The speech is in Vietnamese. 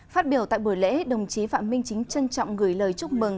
phát biểu tại buổi lễ đồng chí phạm minh chính trân trọng gửi lời chúc mừng